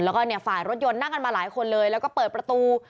แล้วก็เนี่ยฝ่ายรถยนต์นั่งกันมาหลายคนเลยแล้วก็เปิดประตู